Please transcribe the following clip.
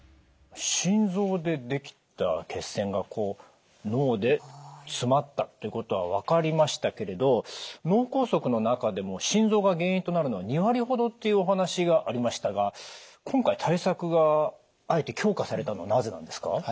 心臓でできた血栓がこう脳で詰まったっていうことは分かりましたけれど脳梗塞の中でも心臓が原因となるのは２割ほどっていうお話がありましたが今回対策があえて強化されたのはなぜなんですか？